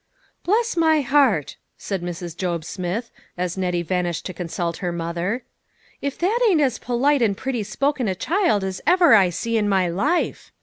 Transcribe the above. "Bless my heart!" said Mrs. Job Smith as Nettie vanished to consult her mother. " If that ain't as polite and pretty spoken a child as ever I see in my life.